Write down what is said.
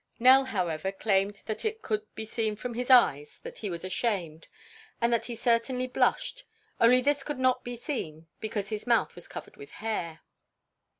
Nell, however, claimed that it could be seen from his eyes that he was ashamed and that he certainly blushed; only this could not be seen because his mouth was covered with hair.